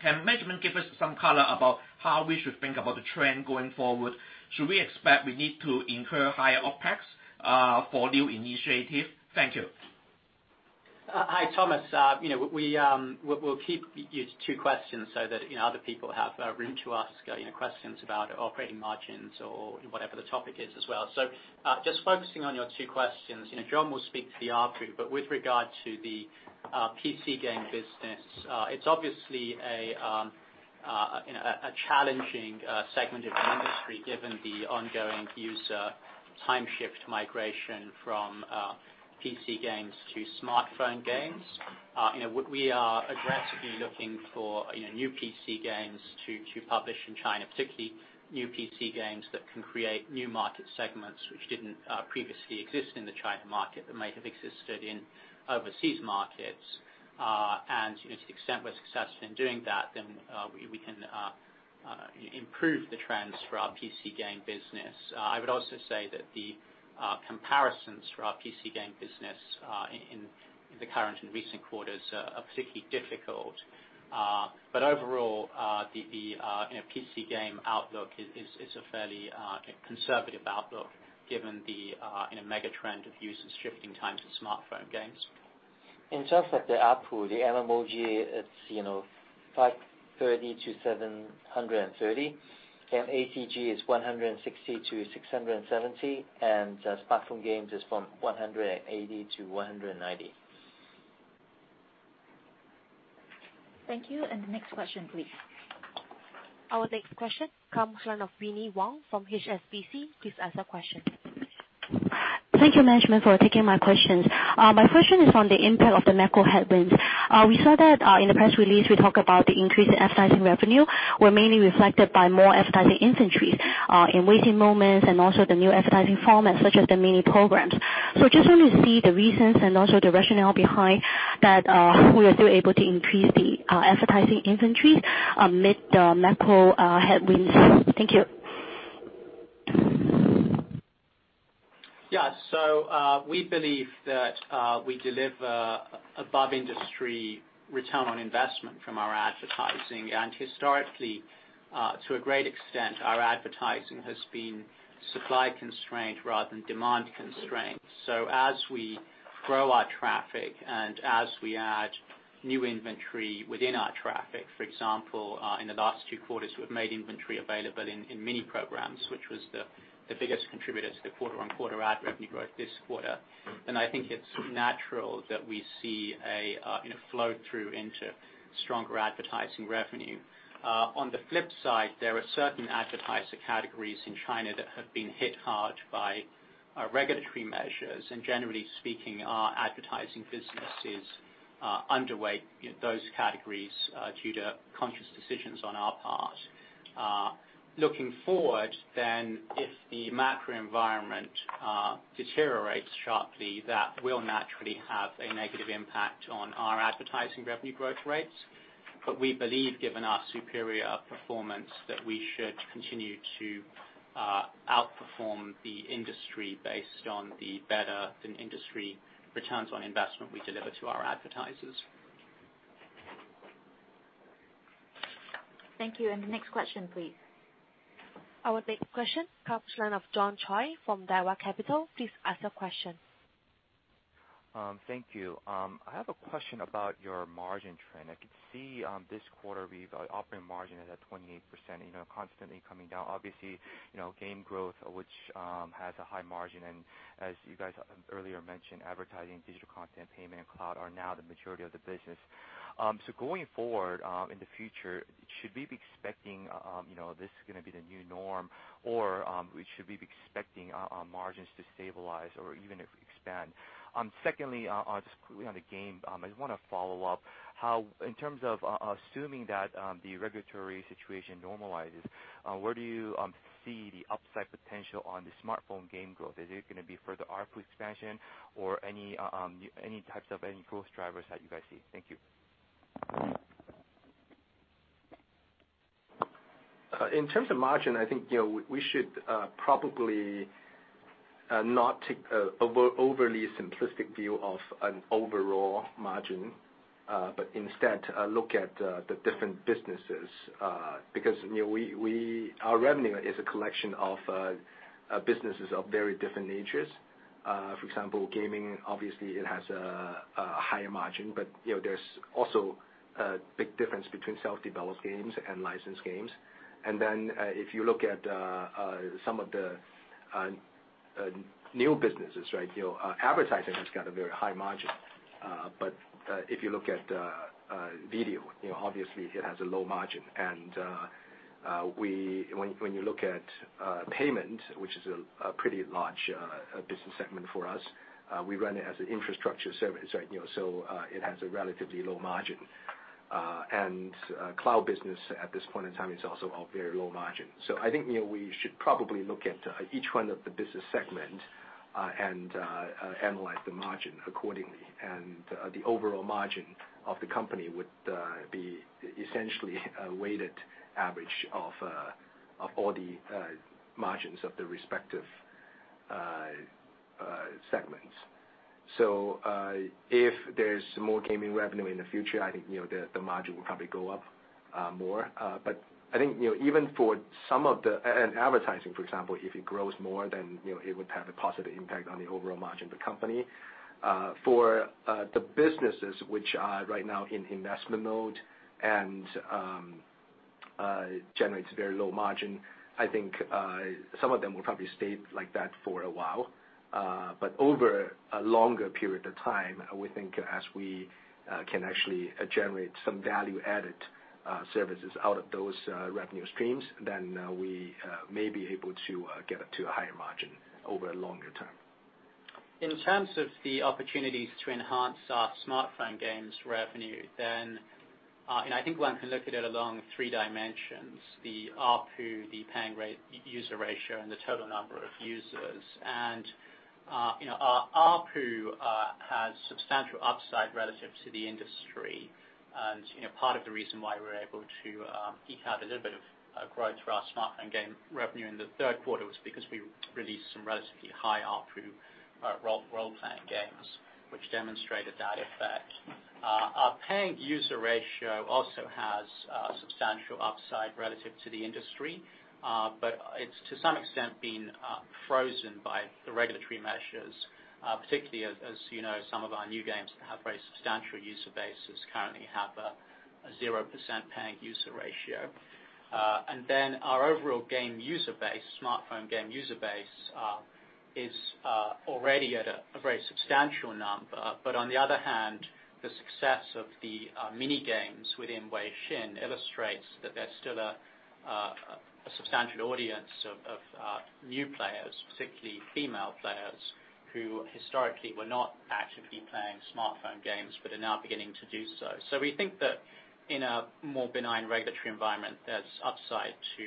Can management give us some color about how we should think about the trend going forward? Should we expect we need to incur higher OpEx for new initiatives? Thank you. Hi, Thomas. We'll keep you to questions so that other people have room to ask questions about operating margins or whatever the topic is as well. Just focusing on your two questions, John will speak to the ARPU, but with regard to the PC game business, it's obviously a challenging segment of the industry given the ongoing user time shift migration from PC games to smartphone games. We are aggressively looking for new PC games to publish in China, particularly new PC games that can create new market segments which didn't previously exist in the China market that might have existed in overseas markets. To the extent we're successful in doing that, then we can improve the trends for our PC game business. I would also say that the comparisons for our PC game business in the current and recent quarters are particularly difficult. Overall, the PC game outlook is a fairly conservative outlook given the mega trend of users shifting time to smartphone games. In terms of the ARPU, the MMOG, it's 530-730, ACG is 160-670, Smartphone games is from 180-190. Thank you. Next question, please. Our next question comes line of Winnie Wong from HSBC. Please ask your question. Thank you, management, for taking my questions. My question is on the impact of the macro headwinds. We saw that in the press release we talk about the increase in advertising revenue were mainly reflected by more advertising inventories in Weixin Moments and also the new advertising formats such as the Mini Programs. I just want to see the reasons and also the rationale behind that we are still able to increase the advertising inventories amid the macro headwinds. Thank you. We believe that we deliver above-industry return on investment from our advertising. Historically, to a great extent, our advertising has been supply constraint rather than demand constraint. As we grow our traffic and as we add new inventory within our traffic, for example, in the last 2 quarters, we've made inventory available in Mini Programs, which was the biggest contributor to the quarter-on-quarter ad revenue growth this quarter. I think it's natural that we see a flow through into stronger advertising revenue. On the flip side, there are certain advertiser categories in China that have been hit hard by regulatory measures, and generally speaking, our advertising business is underweight those categories due to conscious decisions on our part. Looking forward, if the macro environment deteriorates sharply, that will naturally have a negative impact on our advertising revenue growth rates. We believe, given our superior performance, that we should continue to outperform the industry based on the better than industry returns on investment we deliver to our advertisers. Thank you. Next question, please. Our next question, top line of John Choi from Daiwa Capital. Please ask your question. Thank you. I have a question about your margin trend. I can see this quarter operating margin is at 28%, constantly coming down. Obviously, game growth, which has a high margin, as you guys earlier mentioned, advertising, digital content, payment, and cloud are now the majority of the business. Going forward in the future, should we be expecting this is going to be the new norm or we should be expecting our margins to stabilize or even expand? Secondly, just quickly on the game, I just want to follow up how, in terms of assuming that the regulatory situation normalizes, where do you see the upside potential on the smartphone game growth? Is it going to be further ARPU expansion or any types of any growth drivers that you guys see? Thank you. In terms of margin, I think we should probably not take overly simplistic view of an overall margin, but instead look at the different businesses. Our revenue is a collection of businesses of very different natures. For example, gaming, obviously it has a higher margin, but there is also a big difference between self-developed games and licensed games. Then if you look at some of the new businesses. Advertising has got a very high margin. But if you look at video, obviously it has a low margin. When you look at payment, which is a pretty large business segment for us, we run it as an infrastructure service, so it has a relatively low margin. Cloud business at this point in time is also all very low margin. I think we should probably look at each one of the business segment and analyze the margin accordingly. The overall margin of the company would be essentially a weighted average of all the margins of the respective segments. If there's more gaming revenue in the future, I think the margin will probably go up more. I think even for some of the advertising, for example, if it grows more, then it would have a positive impact on the overall margin of the company. For the businesses which are right now in investment mode and generates very low margin, I think some of them will probably stay like that for a while. Over a longer period of time, we think as we can actually generate some value-added services out of those revenue streams, then we may be able to get up to a higher margin over a longer term. In terms of the opportunities to enhance our smartphone games revenue, I think one can look at it along three dimensions, the ARPU, the paying user ratio, and the total number of users. Our ARPU has substantial upside relative to the industry. Part of the reason why we were able to eke out a little bit of growth for our smartphone game revenue in the third quarter was because we released some relatively high ARPU role-playing games, which demonstrated that effect. Our paying user ratio also has substantial upside relative to the industry. It's to some extent been frozen by the regulatory measures, particularly as some of our new games that have very substantial user bases currently have a 0% paying user ratio. Our overall game user base, smartphone game user base, is already at a very substantial number. On the other hand, the success of the Mini Games within Weixin illustrates that there's still a substantial audience of new players, particularly female players, who historically were not actively playing smartphone games, but are now beginning to do so. We think that in a more benign regulatory environment, there's upside to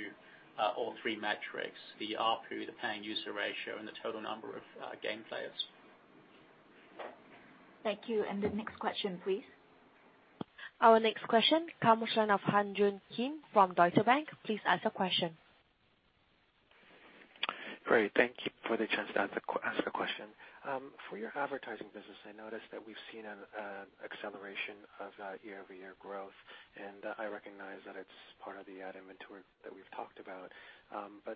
all three metrics, the ARPU, the paying user ratio, and the total number of game players. Thank you. The next question, please. Our next question comes from line of Han Joon Kim from Deutsche Bank. Please ask your question. Great. Thank you for the chance to ask a question. For your advertising business, I noticed that we've seen an acceleration of year-over-year growth, and I recognize that it's part of the ad inventory that we've talked about.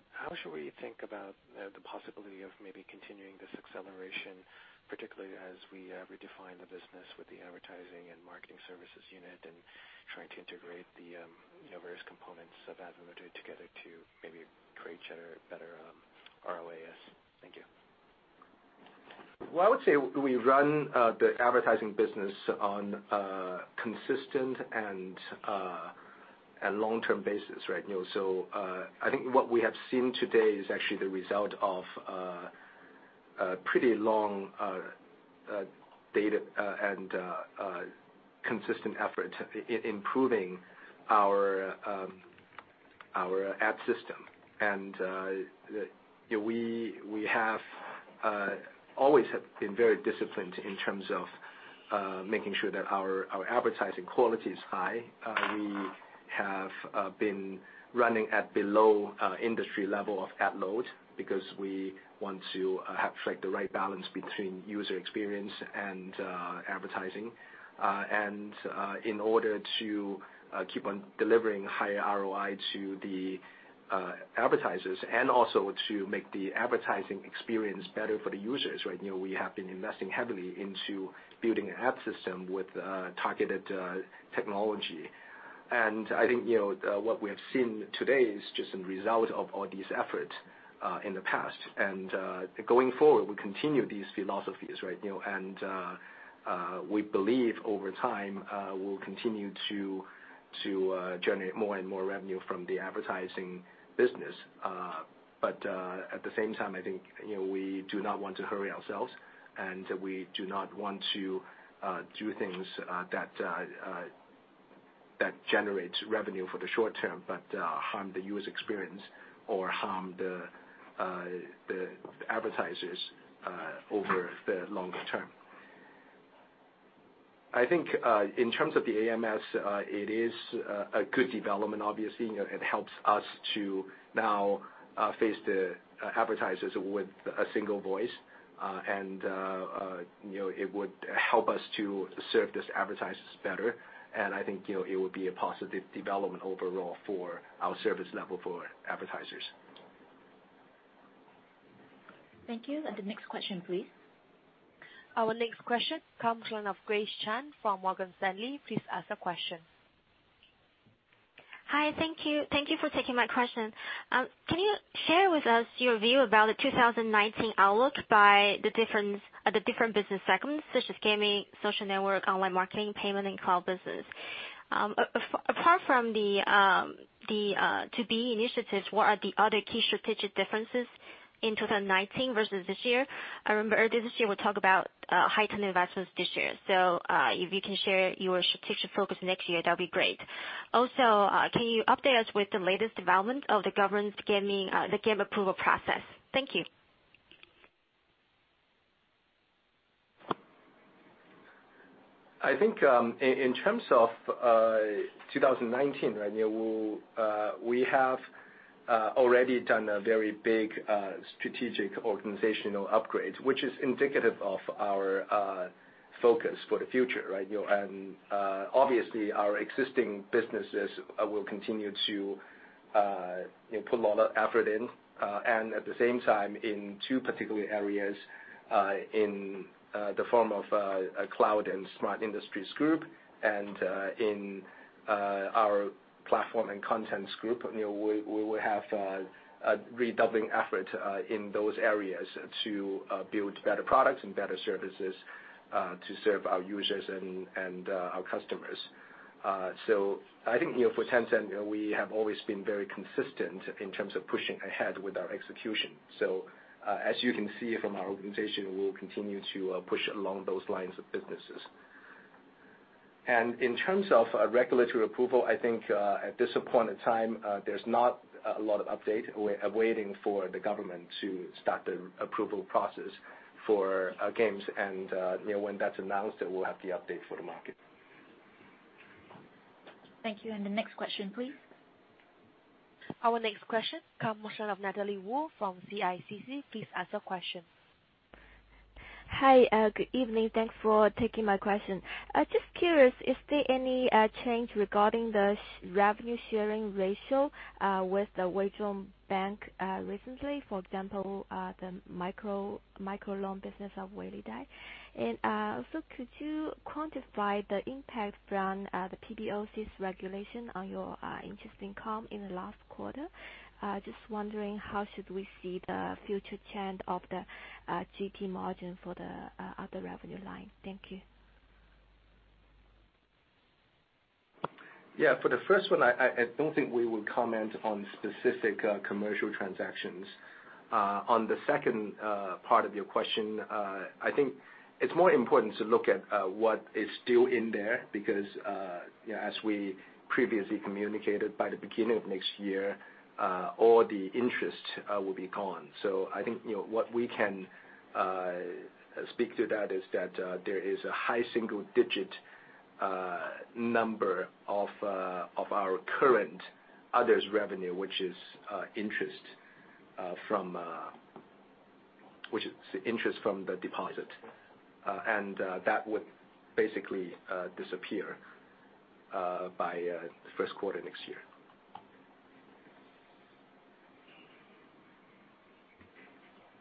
How should we think about the possibility of maybe continuing this acceleration, particularly as we redefine the business with the advertising and marketing services unit and trying to integrate the various components of ad inventory together to maybe create better ROAS? Thank you. Well, I would say we run the advertising business on a consistent and long-term basis. I think what we have seen today is actually the result of a pretty long data and consistent effort in improving our ad system. We have always been very disciplined in terms of making sure that our advertising quality is high. We have been running at below industry level of ad load because we want to have the right balance between user experience and advertising. In order to keep on delivering higher ROI to the advertisers and also to make the advertising experience better for the users, we have been investing heavily into building an ad system with targeted technology. I think what we have seen today is just a result of all these efforts in the past. Going forward, we continue these philosophies. We believe over time, we'll continue to generate more and more revenue from the advertising business. At the same time, I think we do not want to hurry ourselves, and we do not want to do things that generates revenue for the short term but harm the user experience or harm the advertisers over the longer term. I think in terms of the AMS, it is a good development, obviously. It helps us to now face the advertisers with a single voice. It would help us to serve these advertisers better. I think it would be a positive development overall for our service level for advertisers. Thank you. The next question, please. Our next question comes in of Grace Chan from Morgan Stanley. Please ask a question. Hi. Thank you for taking my question. Can you share with us your view about the 2019 outlook by the different business segments, such as gaming, social network, online marketing, payment, and cloud business? Apart from the To B initiatives, what are the other key strategic differences in 2019 versus this year? I remember earlier this year, we talked about heightened investments this year. If you can share your strategic focus next year, that would be great. Also, can you update us with the latest development of the government game approval process? Thank you. I think in terms of 2019, we have already done a very big strategic organizational upgrade, which is indicative of our focus for the future, right? Obviously our existing businesses will continue to put a lot of effort in, and at the same time in two particular areas, in the form of a Cloud and Smart Industries Group and in our Platform and Contents Group, we will have a redoubling effort in those areas to build better products and better services to serve our users and our customers. I think for Tencent, we have always been very consistent in terms of pushing ahead with our execution. As you can see from our organization, we will continue to push along those lines of businesses. In terms of regulatory approval, I think at this point in time, there's not a lot of update. We're waiting for the government to start the approval process for our games and when that's announced, then we'll have the update for the market. Thank you. The next question, please. Our next question comes from the line of Natalie Wu from CICC. Please ask your question. Hi. Good evening. Thanks for taking my question. Just curious, is there any change regarding the revenue sharing ratio with the WeBank recently, for example, the micro loan business of Weilidai? Also, could you quantify the impact from the PBOC's regulation on your interest income in the last quarter? Just wondering how should we see the future trend of the GP margin for the other revenue line. Thank you. Yeah. For the first one, I don't think we will comment on specific commercial transactions. On the second part of your question, I think it's more important to look at what is still in there because as we previously communicated, by the beginning of next year, all the interest will be gone. I think what we can speak to that is that there is a high single-digit number of our current others revenue, which is interest from the deposit. That would basically disappear by the first quarter next year.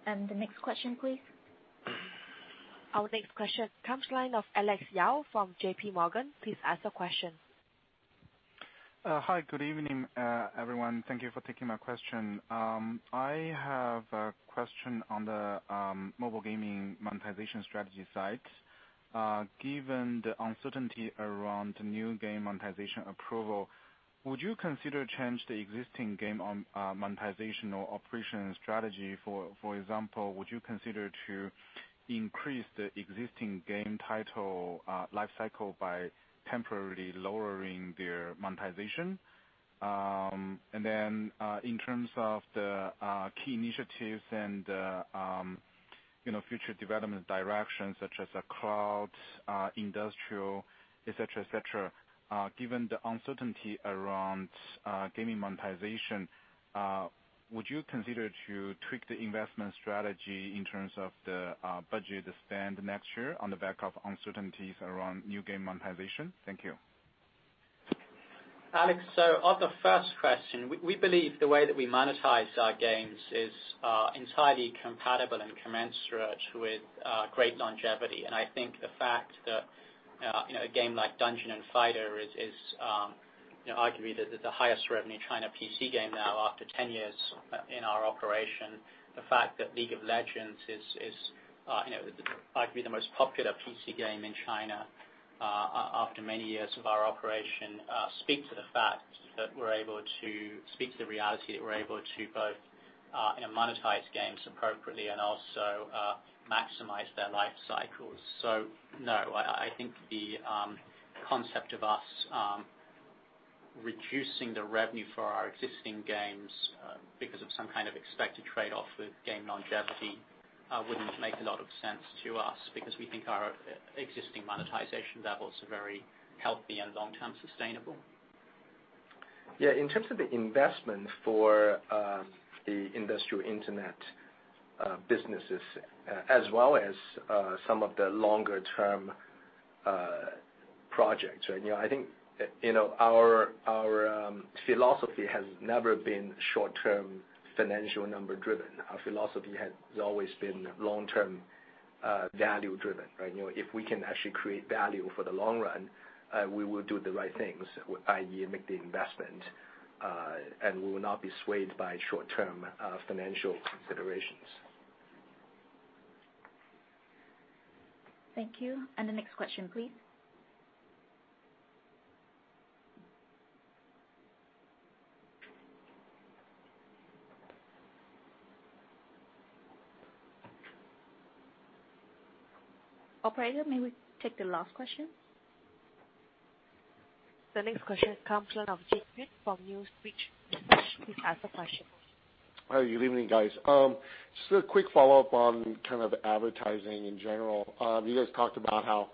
The next question, please. Our next question comes from the line of Alex Yao from JPMorgan. Please ask your question. Hi. Good evening, everyone. Thank you for taking my question. I have a question on the mobile gaming monetization strategy side. Given the uncertainty around new game monetization approval, would you consider change the existing game monetization or operation strategy, for example, would you consider to increase the existing game title lifecycle by temporarily lowering their monetization? Then, in terms of the key initiatives and the future development direction, such as the cloud, industrial, et cetera. Given the uncertainty around gaming monetization, would you consider to tweak the investment strategy in terms of the budget spend next year on the back of uncertainties around new game monetization? Thank you. Alex, on the first question, we believe the way that we monetize our games is entirely compatible and commensurate with great longevity. I think the fact that a game like "Dungeon & Fighter" is arguably the highest revenue China PC game now after 10 years in our operation. The fact that "League of Legends" is arguably the most popular PC game in China after many years of our operation speak to the reality that we're able to both monetize games appropriately and also maximize their life cycles. No, I think the concept of us reducing the revenue for our existing games because of some kind of expected trade-off with game longevity wouldn't make a lot of sense to us, because we think our existing monetization levels are very healthy and long-term sustainable. Yeah. In terms of the investment for the industrial internet businesses, as well as some of the longer-term projects. I think our philosophy has never been short-term financial number driven. Our philosophy has always been long-term value driven, right? If we can actually create value for the long run, we will do the right things, i.e., make the investment, we will not be swayed by short-term financial considerations. Thank you. The next question, please. Operator, may we take the last question? The next question comes in of Jason from New Street. Please ask the question. How are you doing, guys? Just a quick follow-up on kind of advertising in general. You guys talked about how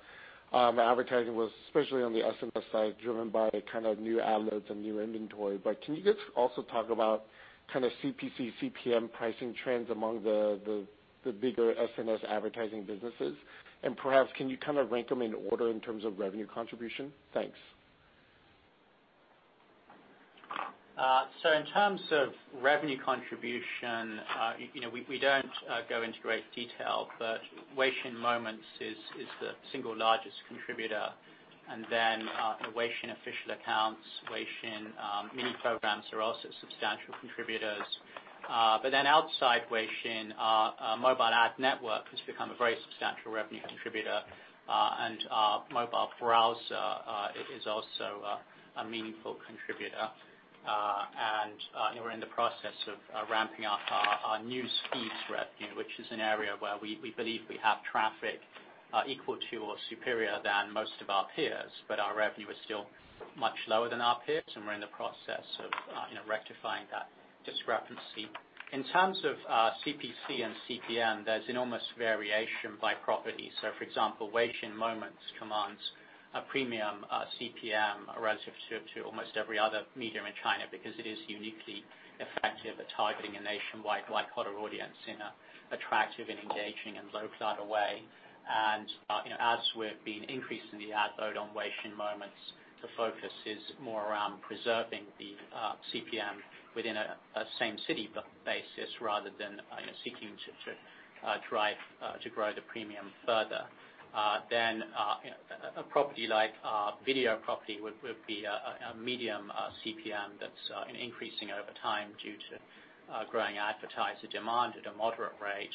advertising was, especially on the AMS side, driven by kind of new ad loads and new inventory. Can you just also talk about kind of CPC, CPM pricing trends among the bigger AMS advertising businesses? Perhaps, can you kind of rank them in order in terms of revenue contribution? Thanks. In terms of revenue contribution, we don't go into great detail, Weixin Moments is the single largest contributor, Weixin Official Accounts, Weixin Mini Programs are also substantial contributors. Outside Weixin, our mobile ad network has become a very substantial revenue contributor, and our mobile browser is also a meaningful contributor. We're in the process of ramping up our news feeds revenue, which is an area where we believe we have traffic equal to or superior than most of our peers. Our revenue is still much lower than our peers, and we're in the process of rectifying that discrepancy. In terms of CPC and CPM, there's enormous variation by property. For example, Weixin Moments commands a premium CPM relative to almost every other medium in China because it is uniquely effective at targeting a nationwide, like, broader audience in a attractive and engaging and localized way. As we've been increasing the ad load on Weixin Moments, the focus is more around preserving the CPM within a same-city basis rather than seeking to drive to grow the premium further. A property like video property would be a medium CPM that's increasing over time due to growing advertiser demand at a moderate rate.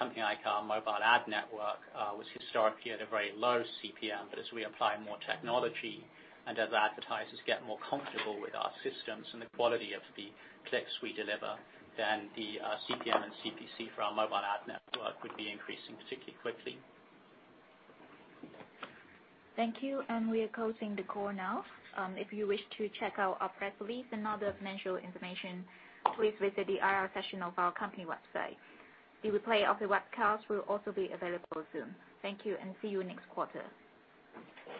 Something like our mobile ad network, which historically had a very low CPM, but as we apply more technology and as advertisers get more comfortable with our systems and the quality of the clicks we deliver, the CPM and CPC for our mobile ad network would be increasing particularly quickly. Thank you, we are closing the call now. If you wish to check out our press release and other financial information, please visit the IR section of our company website. The replay of the webcast will also be available soon. Thank you, see you next quarter.